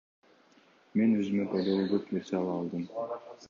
Мен өзүмө пайдалуу көп нерсе ала алдым.